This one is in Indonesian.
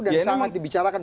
dan sangat dibicarakan